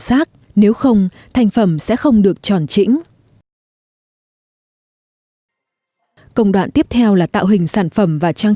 giác nếu không thành phẩm sẽ không được tròn chỉnh công đoạn tiếp theo là tạo hình sản phẩm và trang